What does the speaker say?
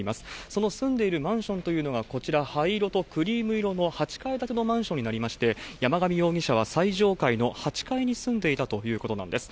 その住んでいるマンションというのが、こちら、灰色とクリーム色の８階建てのマンションになりまして、山上容疑者は最上階の８階に住んでいたということなんです。